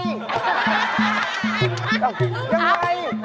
ยังไง